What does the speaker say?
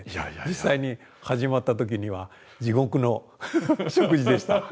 実際に始まった時には地獄の食事でした。